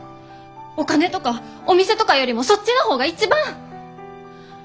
お金とかお店とかよりもそっちの方が一番！